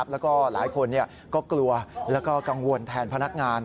แล้วก็หลายคนก็กลัวแล้วก็กังวลแทนพนักงาน